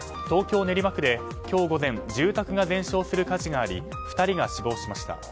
東京・練馬区で今日午前住宅が全焼する火事があり２人が死亡しました。